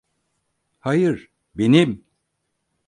Hayır, benim!